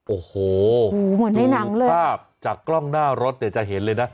โอ้โหเหมือนในหนังเลยภาพจากกล้องหน้ารถเนี่ยจะเห็นเลยนะ